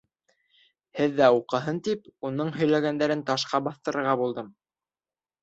Һеҙ ҙә уҡыһын тип, уның һөйләгәндәрен ташҡа баҫтырырға булдым.